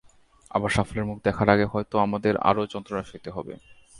আবার সাফল্যের মুখ দেখার আগে হয়তো আমাদের আরও যন্ত্রণা সইতে হবে।